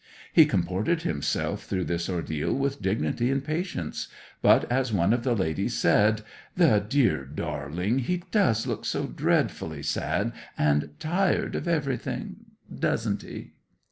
He comported himself through this ordeal with dignity and patience, but, as one of the ladies said "The dear darling, he does look so dreadfully sad and tired of everything, doesn't he?"